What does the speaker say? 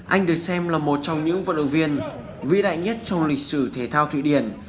anh được xem là một trong những vận động viên vĩ đại nhất trong lịch sử thể thao thụy điển